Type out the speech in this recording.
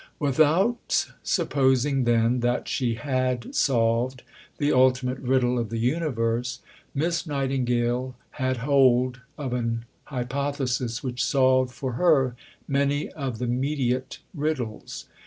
Without supposing, then, that she had solved the ultimate riddle of the universe, Miss Nightingale had hold of an hypothesis which solved for her many of the mediate riddles.